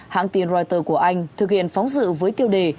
hãng tin reuters của anh thực hiện phóng sự với tiêu đề